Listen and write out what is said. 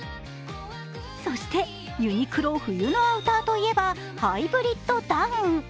そして、ユニクロ冬のアウターといえば、ハイブリッドダウン。